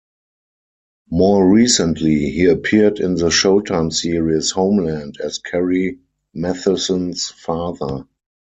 More recently, he appeared in the Showtime series "Homeland" as Carrie Mathison's father.